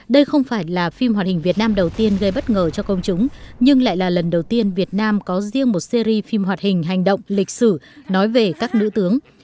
đây không phải là phim hoạt hình việt nam đầu tiên gây bất ngờ cho công chúng nhưng lại là lần đầu tiên việt nam có riêng một series phim hoạt hình hành động lịch sử nói về các nữ tướng